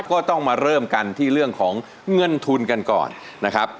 ก็ต้องมาเริ่มกันที่เรื่องของเงินทุนกันก่อนนะครับ